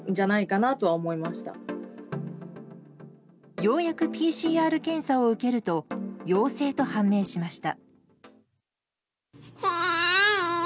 ようやくＰＣＲ検査を受けると陽性と判明しました。